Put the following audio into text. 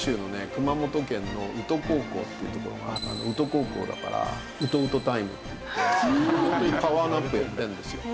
熊本県の宇土高校っていうところが宇土高校だからウトウトタイムっていってホントにパワーナップやってるんですよ。